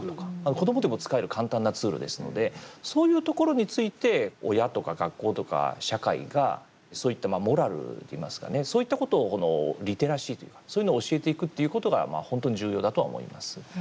子どもでも使える簡単なツールですのでそういうところについて親とか学校とか社会がそういったモラルといいますかねリテラシーというかそういうのを教えていくっていうことが本当に重要だとは思います。